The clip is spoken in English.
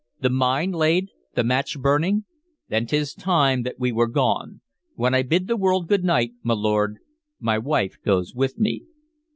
"The mine laid, the match burning? Then 't is time that we were gone. When I bid the world good night, my lord, my wife goes with me."